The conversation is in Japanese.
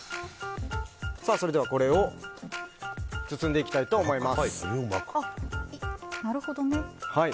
それでは、これを包んでいきたいと思います。